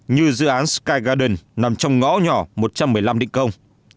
như dự án sky garden nằm trong ngõ nhỏ một trăm một mươi năm định công